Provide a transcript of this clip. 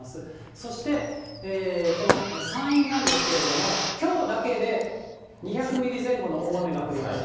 そして、この山陰なんですけれども、きょうだけで２００ミリ前後の大雨が降りました。